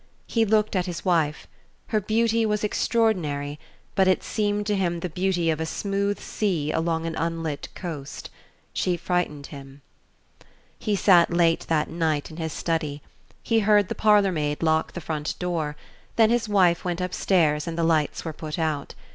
He looked at his wife: her beauty was extraordinary, but it seemed to him the beauty of a smooth sea along an unlit coast. She frightened him. He sat late that night in his study. He heard the parlor maid lock the front door; then his wife went upstairs and the lights were put out.